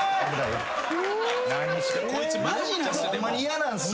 こいつマジなんです。